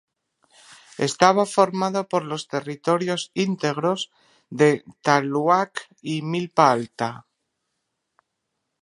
Estaba formado por los territorios íntegros del Tláhuac y Milpa Alta.